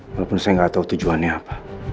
walaupun saya gak tau tujuannya apa